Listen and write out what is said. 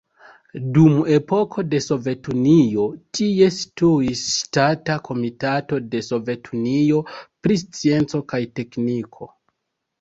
Dum epoko de Sovetunio tie situis Ŝtata komitato de Sovetunio pri scienco kaj tekniko.